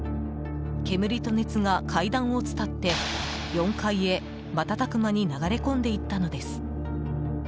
煙と熱が階段をつたって、４階へ瞬く間に流れ込んでいったのです。